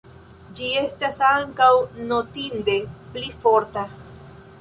Ĝi estas ankaŭ notinde pli forta.